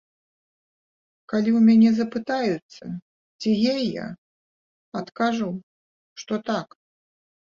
Калі ў мяне запытаюцца, ці гей я, адкажу, што так.